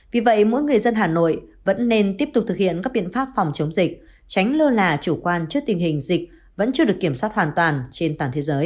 vì vậy mỗi người dân hà nội vẫn nên tiếp tục thực hiện các biện pháp phòng chống dịch tránh lơ là chủ quan trước tình hình dịch vẫn chưa được kiểm soát hoàn toàn trên toàn thế giới